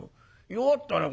「弱ったね